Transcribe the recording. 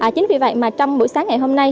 chính vì vậy trong buổi sáng ngày hôm nay